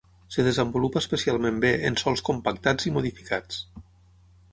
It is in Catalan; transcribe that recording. Es desenvolupa especialment bé en sòls compactats i modificats.